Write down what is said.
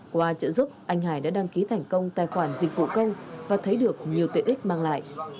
qua trợ giúp anh hải đã đăng ký thành công tài khoản dịch vụ công và thấy được nhiều tiện ích mang lại